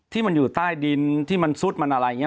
ที่มันอยู่ใต้ดินที่มันซุดมันอะไรอย่างนี้